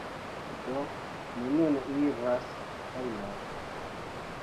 Do, mi nun iras hejmen